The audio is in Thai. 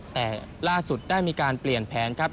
แต่ล่าสุดได้มีการเปลี่ยนแผนครับ